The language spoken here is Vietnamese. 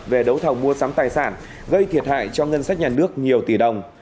về đấu thầu mua sắm tài sản gây thiệt hại cho ngân sách nhà nước nhiều tỷ đồng